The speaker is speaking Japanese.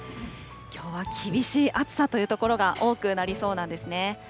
きょうは厳しい暑さという所が多くなりそうなんですね。